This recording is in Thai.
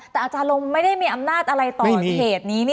แต่อาจารย์ลงไม่ได้มีอำนาจอะไรต่อเหตุนี้